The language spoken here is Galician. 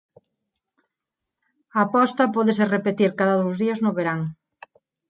A posta pódese repetir cada cada dous días no verán.